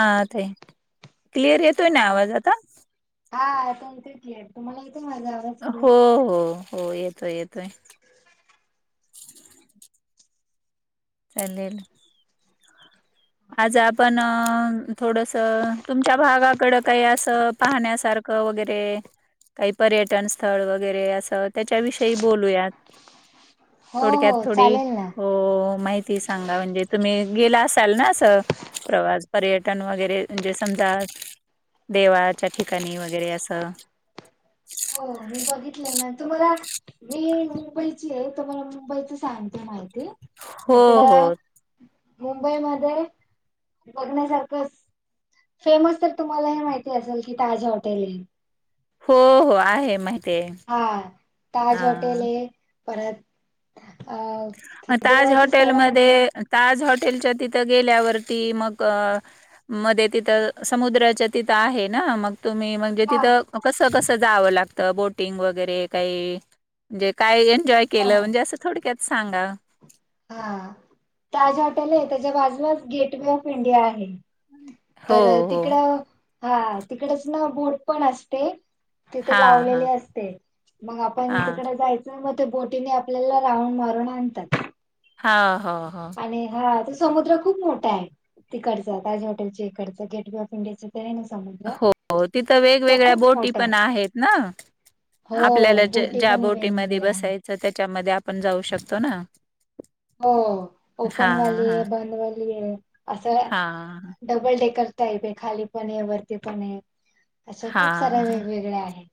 हा ते क्लियर येतोय ना हा आवाज आता हा आता येतंय की तुम्हाला येतोय माझा आवाज हो क्लिअर? हो हो येतोय येतोय चालेल आज आपण थोडस तुमच्या भागाकड काही असं पाहण्यासारखं वगैरे काही पर्यटन स्थळ वगैरे असं त्याच्याविषयी बोलूयात हो थोडक्यात हो थोडी चालेल ना. हो माहिती सांगा म्हणजे तुम्ही गेला असाल ना प्रवास पर्यटन वगैरे म्हणजे समजा देवाच्या ठिकाणी वगैरे असं हो मी बघितलंय ना तुमला मी मुंबईची आहे तुम्हाला मुंबईची सांगते माहिती हो हो इकडं मुंबईमध्ये बघण्यासारखंच फेमस तर तुम्हाला हे माहिती असेल की ताज हॉटेल ये हो हो आहे माहिती आहे हा ताज हा हॉटेल आहे परत अ ते मग ताज देवाचे स्थळं म्हटलं हॉटेलमध्ये ताज हॉटेलच्या तिथं गेल्यावरती मग अ मध्ये तिथं समुद्राच्या तिथं आहे ना मग तुम्ही मग म्हणजे हा तिथं कसं कसं जावं लागतं बोटिंग वगैरे काही म्हणजे काय एन्जॉय हा केलं म्हणजे असं थोडक्यात सांगा हा ताज हॉटेल आहे त्याच्या बाजूलाच गेट वे ऑफ इंडिया आहे हो तर हो तिकडं हा तिकडच ना बोड पण असते तिथे हां हां लावलेली असते मग आपण हां तिकडे जायच मग ते बोटीने आपल्याला राऊंड मारून आणतात हा हो हो आणि हा तो समुद्र खूप मोठा आहे तिकडचं ताज हॉटेलच्या इकडचं गेटवे ऑफ इंडियाच तेन समज हो हो तिथं वेगवेगळ्या बोटी आहे. पण आहेत ना हो आपल्याला ज बोटी ज्या पण बोटीमध्ये वेगवेगळ्या आहे. बसायचं चं त्याच्यामध्ये आपण जाऊ शकतो ना हो हां हां ओपनवाली आहे हां बंदवाली आहे असं हां डबल डेकर टाईप आहे खाली पण आहे वरती पण आहे अशा खूप साऱ्या हां वेगवेगळ्या आहेत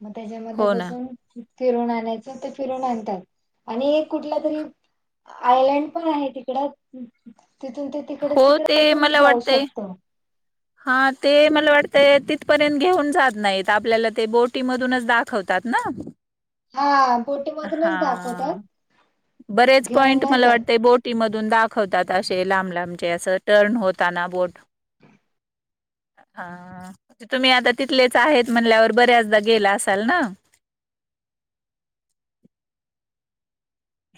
मग त्याच्यामध्ये हो ना बसून फिरून आणायचं ते फिरून आणतात आणि एक कुठला तरी आयलंड पण आहे तिकडं तिथून ते तिकडं हो तिकडं ते पण मला जाऊ वाटतंय शकतो [inaudible] हा ते मला वाटतं तिथपर्यंत घेऊन जात नाहीत आपल्याला ते बोटीमधूनच दाखवतात ना हा पोटे हा बरेच घेऊन पॉइंट नाही मला जात वाटतंय बोट टीम मधून दाखवतात असे लांब लांबचे असं टर्न होताना बोट [inaudible] हा तुम्ही आता तिथलेच आहेत म्हणल्यावर बऱ्याचदा गेला असाल ना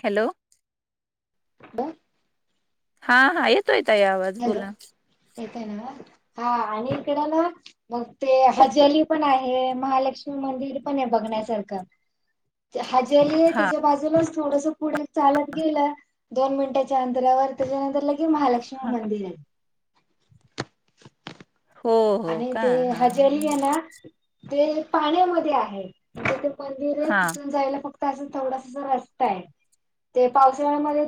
हॅलो [inaudible] हा हा. येतोय येतोय आवाज. बोला. येतोय नव्हा? हा आणि इकड ना मग ते हो हो. हजेली पण आहे. महालक्ष्मी मंदिर पण आहे बघण्यासारखं. हजेरी हा त्याच्या बाजूलाच थोडस पुढे चालत गेलं दोन मिनिटांच्या अंतरावर त्याच्यानंतर लगे महालक्ष्मी हा मंदिर आहे. हो हो आणि का ते हा हजेरी आहे ना ते पाण्यामध्ये आहे, ते मंदिर आहे हा. तिथून जायला फ फक्त अस थोडासा रस्ता आहे. ते पावसाळ्यामध्ये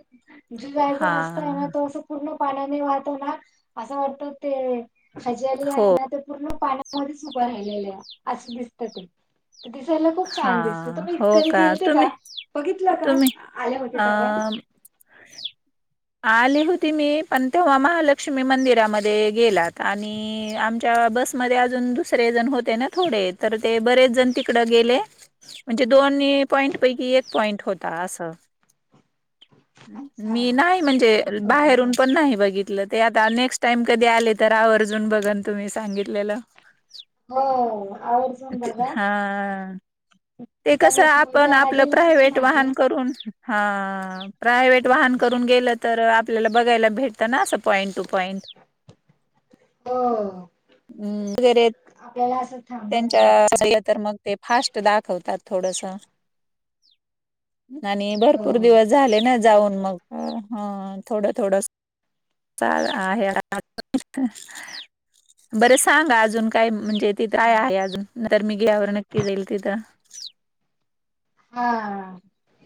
जे जायचा हा रस्ता आहे ना तो असं पूर्ण पाण्याने वाहत ना असं वाटत ते खजेली हो आहे ना ते पूर्ण पाण्या मध्येच उभं राहिलेलं, असं दिसत ते. दिसायला खूप हा छान दिसते. तुम्ही हो कधी गेलते का? तुम्ही बघितलं का तुम्ही आले होते तेव्हा? अ [inaudible] आली होती मी, पण तेव्हा महालक्ष्मी मंदिरामध्ये गेलात आणि आमच बस मध्ये अजून दुसरे जण होते ना थोडे, तर ते बरेच जण तिकड गेले, म्हणजे दोन पॉईंट पैकी एक पॉईंट होता असं. अच्छा मी नाही म्हणजे असं होत बाहेरून का पण नाही बघित ते आता नेक्स्ट टाइम कधी आले तर आवर्जून बघन तुम्ही सांगितलेलं. हो. आवर्जून बघा. हा ते त्या कस मग आपण त्या आपलं हजेलीचीच प्रायव्हेट मागे वाहन करून हा. प्रायव्हेट वाहन करून गेलं तर आपल्याला बघायला भेटत ना. अस पॉइंट टू पॉईंट. हो. हम् [unintelligible] वगैरे आपल्याला असं थांबायला भेटतं त्यांच्या [unintelligible] मग ते फास्ट दाखवतात थोडस. आणि हो भरपूर दिवस झाले ना जाऊन मग हो. थोडं थोडंस [unintelligible] आहे [unintelligible] बरं सांगा अजून काय म्हणजे तिथे आहे अजून तर मी गेल्यावर नक्की जाईल तिथं. हा.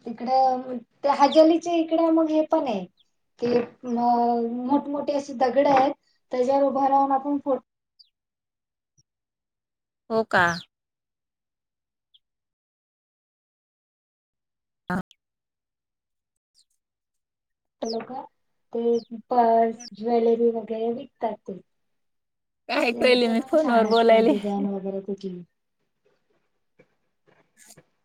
इकडं ते हजेलीच्या इकड मग हे पण आहे. ते मोठमोठे असे दगड आहेत. त्याच्यावर उभा राहून आपण फो हो का. [unintelligible] ते पर्स ज्वेलरी वगैरे विकतात ते. काय ते कळली ते मी पण फोनवर छान असतात बोलायले डिझाईन वगैरे तची. [inaudible]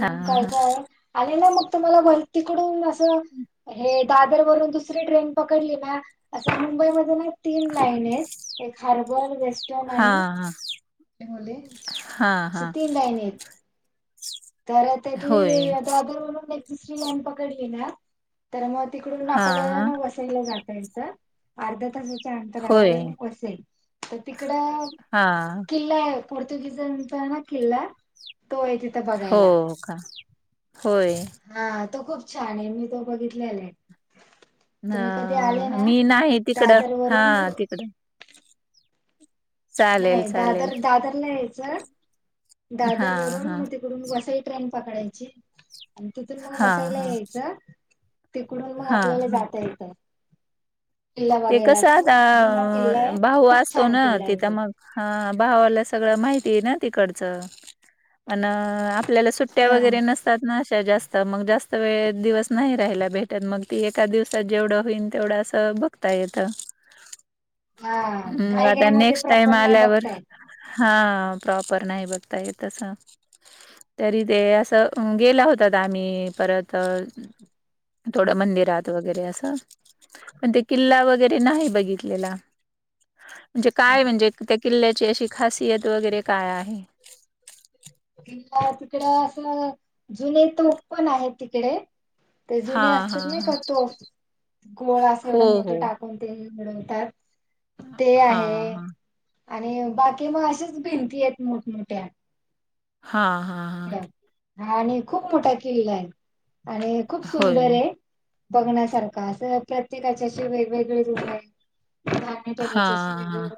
हा काय काय आहे? आले ना मग तुम्हाला भरतीकडून असं. हे दादर वरून दुसरी ट्रेन पकडली ना असं मुंबईमध्ये ना तीन लाईन आहेत. एक [unintelligible] हा हा. हा असे हा तीन लाईन आहेत. तर त्यातली होय दादर वरून एक दुसरी लाइन पकडली ना. तर मग तिकडून हा आपल्याला ना वसईला जाता येतं. अर्धा तास च्या अंतरावर होय ये बस आहे तर तिकड हा. किल्ला आहे. पोर्तुगीजांचा ना किल्ला तो आहे तिथ. हो कां होयं. हां तो खूंप छान आहे मी तो बघितलेला आहे. तुम्हीं कधीं आले ह नां मी नाही तिकडं दादर हा वरूंन तिकडं नाहीं चालेल तरं चालेल दादर दादरला यांयचं. दादर हा वरूंन हा मंग तिकडूंन वसई ट्रेन पकडांयची. आणि तिथूंन मंग वसई हां, लां हां, यायचं तिकडूंन मंग हां, आपल्यांला हां. जातां येतं. किल्ला ते बघायला कसं आंता खूप जुना किल्ला अं आहे भाऊ खूप असतो छान नां किल्ला आहे तिथं तो. मंग हां भावांला सगळं माहिती आहे नां तिकडचं अनं आपलं आपल्यांला सुट्ट्यां हा वगैरें नसतांत -तांत नां अशां जास्तं मंग जास्तं वेळं दिवसं नाहीं राहिला भेटतं मंग ते एकां दिव -सांत जेवढं होईल तेवढं असं बघतां येतं. हा हम्मं घाई आंता घाई मध्ये नेक्स्ट टाईम प्रॉपर नाही आल्यांवर. बघताय हां प्रॉपर नाहीं बघतां येतं असं. तरी ते असं गेलां होतां आम्हीं परंत थोडं मंदिरांत वगैरें असं पणं ते किल्लां वगैरें नाहीं बघितलेला म्हणजे कायं म्हणजे त्यां किल्ल्यांची अशी खासियत वगैरें कायं आहे? तिकडं असं जुने तोफ पणं आहेतं तिकडे. ते जुने हां, असतांत हां, नाहीं हां. कां तोफ गोळा असं हो, एवढं मोठं हो. टाकतं. कोणते म्हणतांत त्यां ते आहे. हां, हां. आणि बाकी मंग अशांच भिंती आहेतं मोठमोठ्या. हां हां हां आणि खूंप मोठा किल्लां आहे. आणि खूंप होय. सुंदर आहे. बघण्यांसारखा असं प्रत्येकाच्यांशी वेगवेगळेच डिझाईन हां,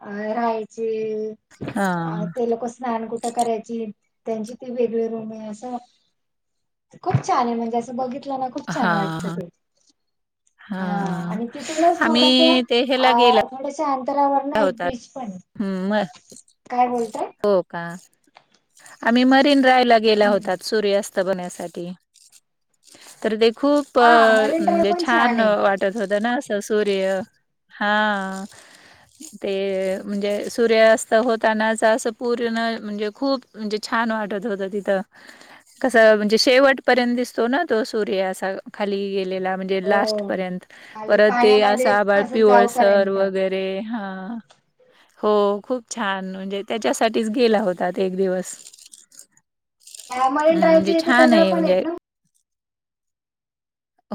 अं राहायचे. हां, अं हां. ते लोक स्नांन कुठं करायचे? त्यांची ती वेगळी रूंम आहे असं खूंप छान आहे म्हणजे असं बघितलं नां खूंप छान हां, वाटतं हां. ते हां आणि तिथूंनच थोडंसं आम्ही ते ह्याला गेला अं थोड्यांशा अंतरावर नां एक होतात. बीच पणं हं, मग आहे कायं बोलतां हो कां आम्हीं मरीन ड्राईव्ह लां गेलां हम्म होतां सूर्यास्तं बघण्यांसाठी तरं ते खूंप हा अं मरीन ड्राईव्ह म्हणजे पण छान आहे वाटतं त्यांच्या होतां नां तो असं सूर्य हां ते म्हणजे सूर्यास्तं होतांनाच पूर्ण म्हणजे खूंप म्हणजे छान वाटतं होतं तिथं कसं म्हणजे शेवटपर्यंत दिसतो नां तो सूर्य असां खाली गेलां म्हणजे लांस्ट हो पर्यन्त खाली परंत ते असं पाण्यामध्ये आभाळात असं पिवळांसर जाऊपर्यंत वगैरें ते हां हो खूंप छान म्हणजे त्यांच्यासाठीच गेलां होतां एक दिवसं त्या मरीन हम्मं ते ड्राईव्हचे इथे छान दगड आहे पण आहेत म्हणजे ना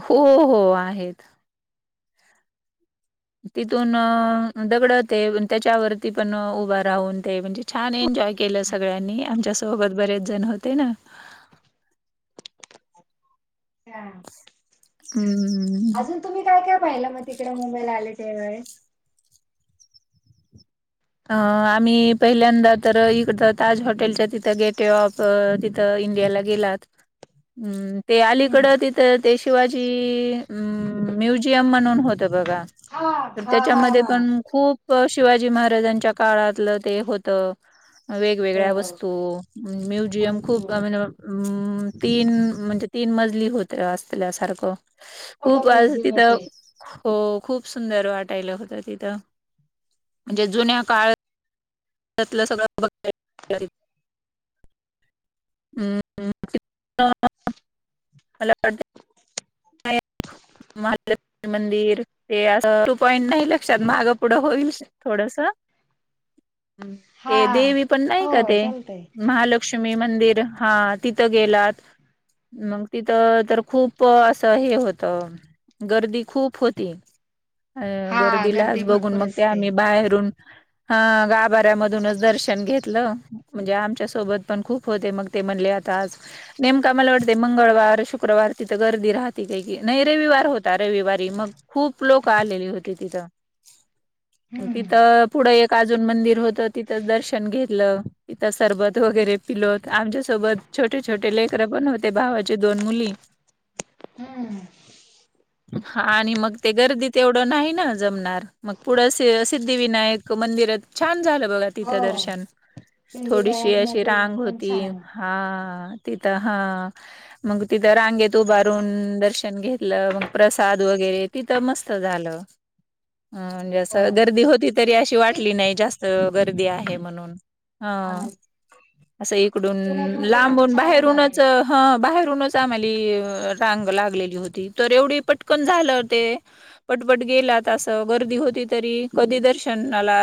हो हो आहेतं तिथूंन दगंड ते त्यांच्यावरची पणं उभां राहूंन ते म्हणजे छान एन्जॉय केलं सगळ्यांनी आमच्या सोबतं बरेच जणं होते नां हम्मं हम्मं हम्मं हम्मं तुम्ही काय काय पाहिलं? मग तिकडे मुंबईला आले त्या वेळेस. अ आम्ही पहिल्यांदा तर इकड ताज हॉटेलच्या तिथ गेटवे ऑफ अअ तिथ इंडियाला गेलात. हम. ते अलीकड तिथ. तर ते शिवाजी म्युझियम म्हणून होत बघा. हा तर हा हा त्याच्यामध्ये हा पण खूप शिवाजी महाराजांच्या काळातल ते होत. हो वेगवेगळ्या वस्तू म्युझियम खूप [unintelligible] वस्तू हम्. तीन म्हणजे तीन मजली होत असल्या सारख मोठं खूप अजून म्युझियम तिथ आहे ते. खूप सुंदर वाटायल होत तिथ. जे जुन्या काळ त्यातला सगळ [unintelligible] ह् मला [unintelligible] आया महा मंदिर ते, अस टू पॉईंट नाही लक्षात माग पुढ होईल. थोडस हा ते देवी पण नाही का हो ते, चालतय महालक्ष् लक्ष्मी मंदिर. हा तिथ गेला, मग तिथ तर खूप अस हे होत. गर्दी खूप होती. अ हा गर्दी गर्दीलाच बघून भरपूर मग ते असते. आम्ही बाहेरून हा गाभाऱ्यामधूनच दर्शन घेतल म्हणजे, आमच्या सोबत पण खूप होते मग ते म्हणले. नेमका मला वाटते मंगळवार शुक्रवार तिथ गर्दी राहत तीथे की नाही रविवार होता. रविवारी, मग खूप लोक आलेले होते तिथ. तिथ हम्म. पुढे एक काजू मंदिर होत तिथंच दर्शन घेतल. तिथ सरबत वगैरे पिलो आमच्यासोबत छोटे छोटे लेकर पण होते. भावाचे दोन मुली. हम्म हा आणि मग ते गर्दीत एवढ नाही ना जमणार. मग पुढ सिद्धिविनायक मंदिरात छान झाल बघा. तिथ हो दर्शन सिंधी थोडीशी बॅग अशी मध्ये रांग पण होती. छान आहे. हा तिथ हा मग तिथ रांगेतेत उभार करून दर्शन घेतल मग प्रसाद वगैरे तिथ मस्त झाल. हो म्हणजेसं गर्दी होती तरी अशी ते वाटली नाही जास्त गर्दी आहे म्हणून हा अस इकडून पुण्यात मध्ये पण लांबून छान आहे बाहेरूनच बघायला. ह बाहेरूनच आम्हाली रांग लागलेली होती, तर एवढी पटकन झाल ते. पटपट गेलात अस गर्दी होती, तरी कधी दर्शनाला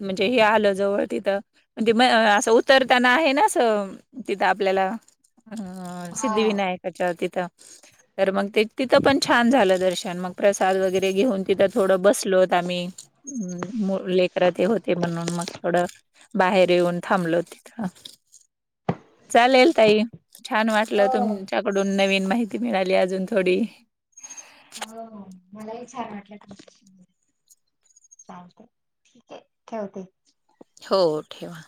म्हणजे हे आल जवळ तिथ, म्हणजे अस उतरताना हे ना असं तिथ आपल्याला अ हा सिद्धिविनायकाच्या तिथ [inaudible] तर मग ते तिथ पण छान झाल दर्शन मग प्रसाद वगैरे घेऊन तिथ थोड बसलोत आम्ही. हम्. लेकर ते होते म्हणून मग थोड बाहेर येऊन थांबलो तिथ. चालेल ताई छान वाटल हो तुमच्याकडून नवीन माहिती ती मिळाली अजून थोडी. हो हो मलाही छान वाटल तुमच्या चालते ठीक आहे. ठेवते. हो. ठेवा